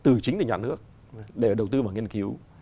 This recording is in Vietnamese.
từ chính từ nhà nước để đầu tư vào nghiên cứu